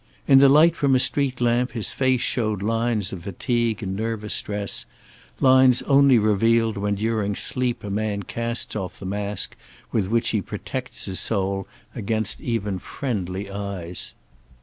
In the light from a street lamp his face showed lines of fatigue and nervous stress, lines only revealed when during sleep a man casts off the mask with which he protects his soul against even friendly eyes.